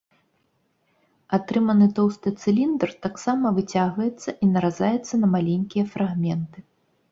Атрыманы тоўсты цыліндр таксама выцягваецца і наразаецца на маленькія фрагменты.